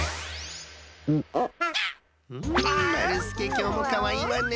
まるすけきょうもかわいいわね！